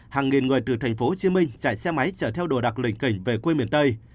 hàng nghìn người từ tp hcm chạy xe máy chở theo đồ đạc lệnh cảnh về quê miền tây